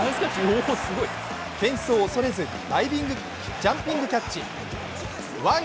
フェンスを恐れずジャンピングキャッチ。